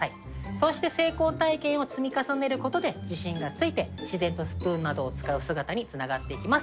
そうして成功体験を積み重ねることで自信がついて自然とスプーンなどを使う姿につながっていきます。